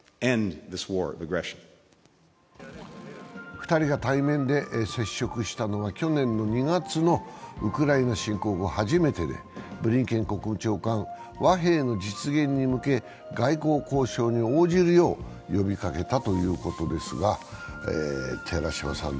２人が対面で接触したのは去年の２月のウクライナ侵攻後初めてでブリンケン国務長官は、和平の実現に向け外交交渉に応じるよう呼びかけたということです。